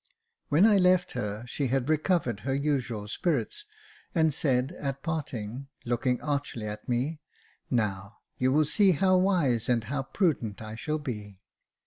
When I left her, she had recovered her usual spirits, and said at parting, looking archly at me, " Now, you will see how wise and how prudent I shall be."